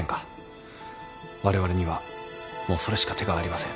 われわれにはもうそれしか手がありません。